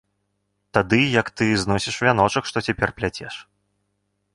Тады, як ты зносіш вяночак, што цяпер пляцеш.